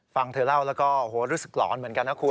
ฟังเธอเล่าแล้วก็รู้สึกหลอนเหมือนกันนะคุณ